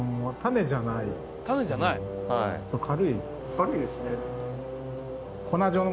軽いですね。